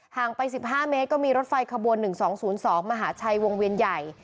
ไป๑๕เมตรก็มีรถไฟขบวน๑๒๐๒มหาชัยวงเวียนใหญ่